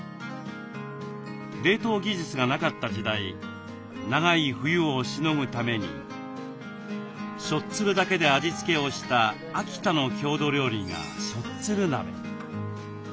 冷凍技術がなかった時代長い冬をしのぐためにしょっつるだけで味付けをした秋田の郷土料理がしょっつる鍋。